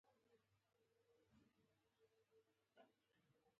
کاناډا د دې لپاره کار کوي.